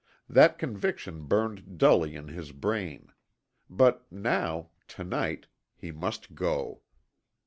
That conviction burned dully in his brain. But now to night he must go.